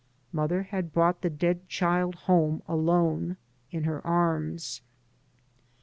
Mother had brought the dead child home alone in her arms.